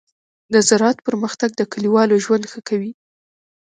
د زراعت پرمختګ د کليوالو ژوند ښه کوي.